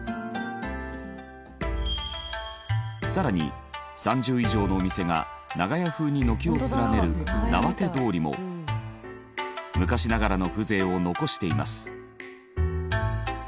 更に３０以上のお店が長屋風に軒を連ねるなわて通りも昔ながらの風情を残しています。